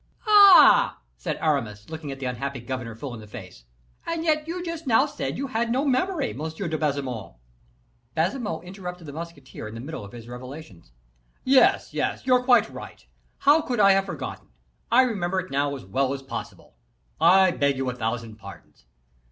"Ah!" exclaimed Aramis, looking at the unhappy governor full in the face, "and yet you just now said you had no memory, Monsieur de Baisemeaux." Baisemeaux interrupted the musketeer in the middle of his revelations. "Yes, yes; you're quite right; how could I have forgotten; I remember it now as well as possible; I beg you a thousand pardons.